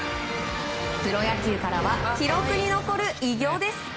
プロ野球からは記録に残る偉業です。